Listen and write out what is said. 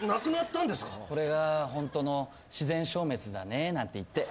これがホントの自然消滅だねなんて言って。